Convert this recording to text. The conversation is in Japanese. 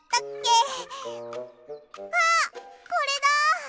あっこれだ！